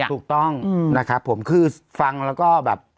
ถูกต้องนะครับผมคือฟังแล้วก็แบบ